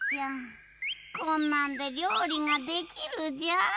こんなんでりょうりができるじゃ？